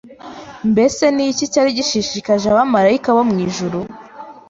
Mbese ni iki cyari gishishikaje abamarayika bo mu ijuru